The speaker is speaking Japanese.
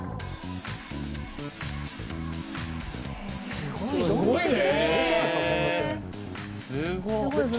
すごいね。